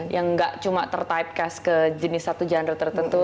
yang gak cuma tertipe cast ke jenis satu genre tertentu